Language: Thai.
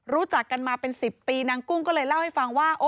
รู้จักกันมาเป็น๑๐ปีนางกุ้งก็เลยเล่าให้ฟังว่า